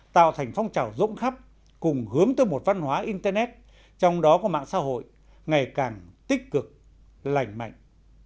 tạo thành phong trào rộng khắp cùng hướng tới một văn hóa internet trong đó có mạng xã hội ngày càng tích cực lành mạnh